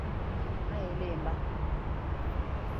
Ma e lemba.